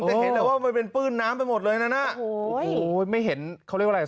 เห็นเลยว่ามันเป็นปื้นน้ำไปหมดเลยนั้นน่ะโอ้โหไม่เห็นเขาเรียกว่าอะไร